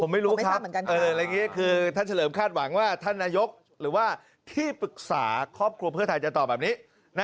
ไม่รู้นะครับอะไรอย่างนี้คือท่านเฉลิมคาดหวังว่าท่านนายกหรือว่าที่ปรึกษาครอบครัวเพื่อไทยจะตอบแบบนี้